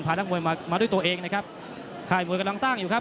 นักมวยมามาด้วยตัวเองนะครับค่ายมวยกำลังสร้างอยู่ครับ